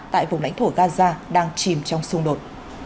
tại vùng lãnh thổ gaza đang chìm trong xung đột